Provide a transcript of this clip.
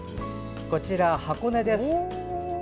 こちら、箱根です。